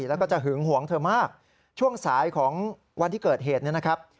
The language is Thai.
แล้วก็จะหึงหวงเธอมากช่วงสายของวันที่เกิดเหตุเนี่ยนะครับ